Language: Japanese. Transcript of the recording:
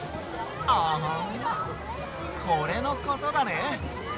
アハンこれのことだね？